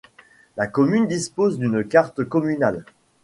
La commune dispose d'une carte communale.